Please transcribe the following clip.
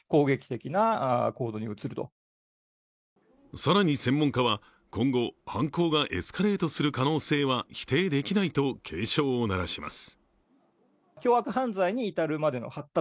更に専門家は、今後、犯行がエスカレートする可能性は否定できないと警鐘を鳴らします。